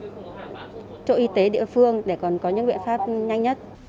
chỗ y tế địa phương để còn có những biện pháp nhanh nhất